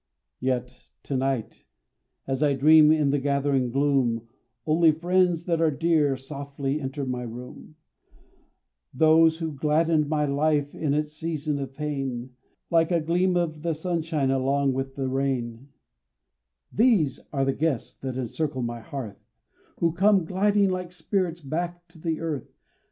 Yet, to night, as I dream in the gathering gloom, Only friends that are dear softly enter my room, Those who gladdened my life in its season of pain, Like a gleam of the sunshine along with the rain; These, these are the guests that encircle my hearth, Who come gliding like spirits back to the earth.